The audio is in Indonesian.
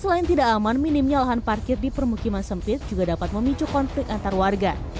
selain tidak aman minimnya lahan parkir di permukiman sempit juga dapat memicu konflik antar warga